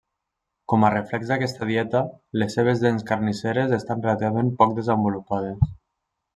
Com a reflex d'aquesta dieta, les seves dents carnisseres estan relativament poc desenvolupades.